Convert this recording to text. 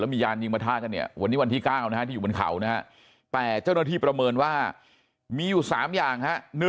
วันนี้วันที่๙ที่อยู่บนเขาแต่เจ้าหน้าที่ประเมินว่ามีอยู่๓อย่าง